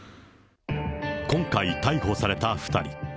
今回逮捕された２人。